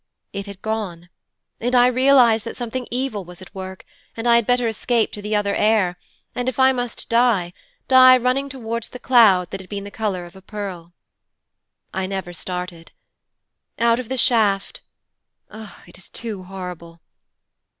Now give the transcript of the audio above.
It had gone, and I realized that something evil was at work, and I had better escape to the other air, and, if I must die, die running towards the cloud that had been the colour of a pearl. I never started. Out of the shaft it is too horrible.